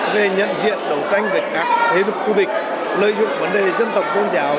về nhận diện đầu tranh về các thế vực khu vực lợi dụng vấn đề dân tộc công giáo